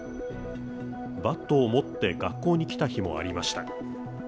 バットを持って学校に来た日もありました。